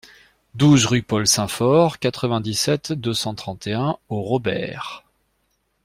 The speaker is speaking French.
douze rue Paul Symphor, quatre-vingt-dix-sept, deux cent trente et un au Robert